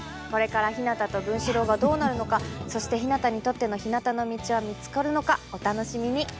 これからひなたと文四郎がどうなるのかそしてひなたにとってのひなたの道は見つかるのかお楽しみに！